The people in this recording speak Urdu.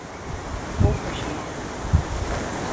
کو پشیماں ہوں